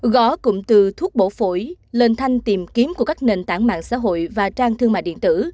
gói cụm từ thuốc bổ phổi lên thanh tìm kiếm của các nền tảng mạng xã hội và trang thương mại điện tử